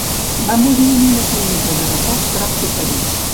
Va morir en una clínica de repòs prop de París.